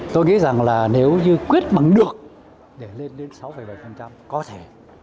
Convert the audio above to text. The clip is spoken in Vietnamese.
tôi nghĩ rằng là nếu như quyết bằng được để lên đến sáu bảy có thể